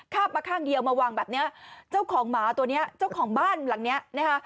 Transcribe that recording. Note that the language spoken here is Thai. บมาข้างเดียวมาวางแบบเนี้ยเจ้าของหมาตัวเนี้ยเจ้าของบ้านหลังเนี้ยนะคะ